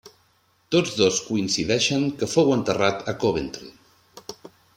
Tots dos coincideixen que fou enterrat a Coventry.